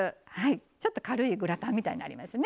ちょっと軽いグラタンみたいになりましたよ。